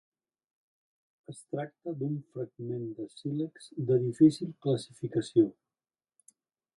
Es tracta d'un fragment de sílex, de difícil classificació.